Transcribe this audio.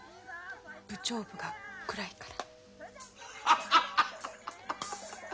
部長部が暗いから。